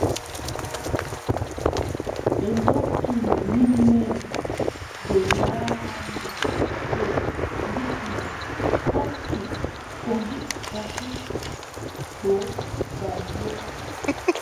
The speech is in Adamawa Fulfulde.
Ɓe ndokki mo ƴulmere, bee yaaraande, ɓe mbii mo: sakkin, ko ngiɗɗa fuu, ɗo gal yeeso.